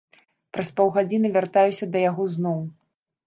Праз паўгадзіны вяртаюся да яго зноў.